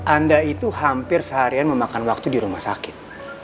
anda itu hampir seharian memakan waktu di rumah sakit